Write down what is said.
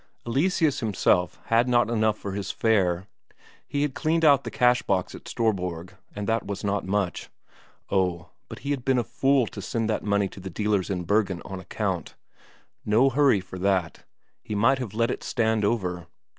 Eleseus himself had not enough for his fare; he had cleaned out the cash box at Storborg, and that was not much. Oh, but he had been a fool to send that money to the dealers in Bergen on account; no hurry for that; he might have let it stand over.